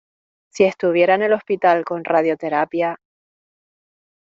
si estuviera en el hospital con radioterapia...